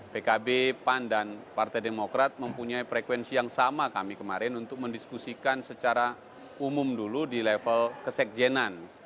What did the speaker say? pkb pan dan partai demokrat mempunyai frekuensi yang sama kami kemarin untuk mendiskusikan secara umum dulu di level kesekjenan